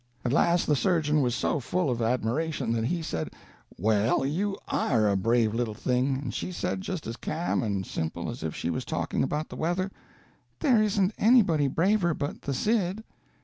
At last the surgeon was so full of admiration that he said, 'Well, you are a brave little thing!' and she said, just as ca'm and simple as if she was talking about the weather, 'There isn't anybody braver but the Cid!